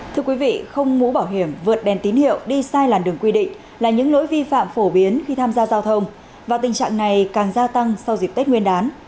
thưa quý vị không mũ bảo hiểm vượt đèn tín hiệu đi sai làn đường quy định là những lỗi vi phạm phổ biến khi tham gia giao thông và tình trạng này càng gia tăng sau dịp tết nguyên đán